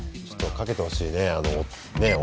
ちょっとかけてほしいね